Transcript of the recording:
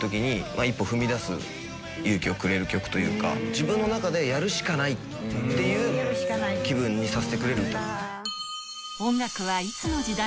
自分の中で。っていう気分にさせてくれる歌。